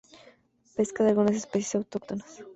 Pesca, de algunas especies autóctonas.